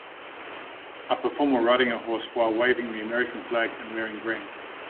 A performer riding a horse, while waving the American flag and wearing green.